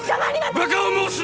バカを申すな！